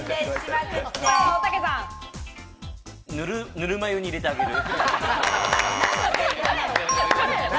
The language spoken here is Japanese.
ぬるま湯に入れてあげる。